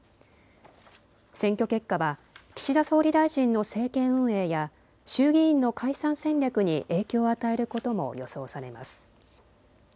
選挙結果は岸田総理大臣の政権運営や衆議院の解散戦略に影響を与えることも予想されます。